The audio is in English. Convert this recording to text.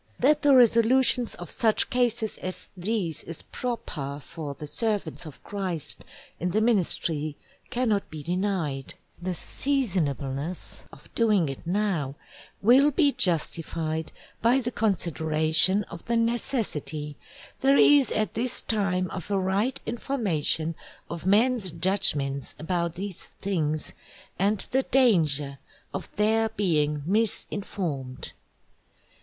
That the Resolutions of such Cases as these is proper for the Servants of Christ in the Ministry cannot be denied; the seasonableness of doing it now, will be justified by the Consideration of the necessity there is at this time of a right Information of men's Judgments about these things, and the danger of their being misinformed.